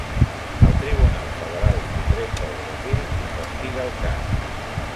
El Tribunal Federal Suprem del Brasil investiga el cas.